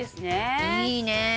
いいね！